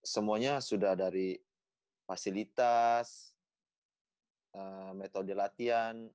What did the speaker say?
semuanya sudah dari fasilitas metode latihan